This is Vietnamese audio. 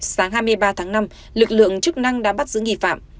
sáng hai mươi ba tháng năm lực lượng chức năng đã bắt giữ nghi phạm